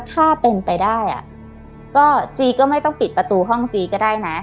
ถ้าเป็นไปได้อ่ะก็จีก็ไม่ต้องปิดประตูห้องจีก็ได้นะ